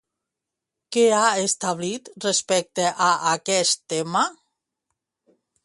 Què ha establit respecte a aquest tema?